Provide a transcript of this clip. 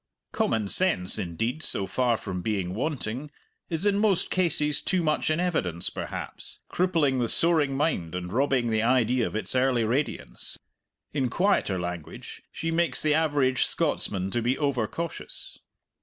Common sense, indeed, so far from being wanting, is in most cases too much in evidence, perhaps, crippling the soaring mind and robbing the idea of its early radiance; in quieter language, she makes the average Scotsman to be over cautious.